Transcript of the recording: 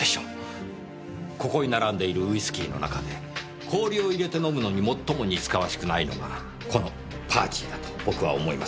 ここに並んでいるウイスキーの中で氷を入れて飲むのに最も似つかわしくないのがこの「パーチー」だと僕は思います。